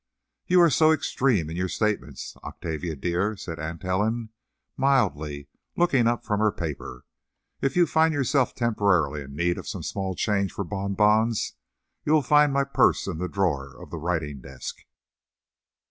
"You are so extreme in your statements, Octavia, dear," said Aunt Ellen, mildly, looking up from her paper. "If you find yourself temporarily in need of some small change for bonbons, you will find my purse in the drawer of the writing desk."